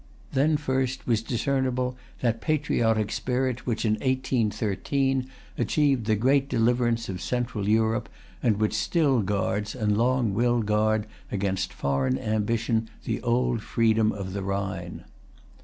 Then first was discernible that patriotic spirit which, in 1813, achieved the great deliverance of central Europe, and which still guards, and long will guard, against foreign ambition the old freedom of the Rhine.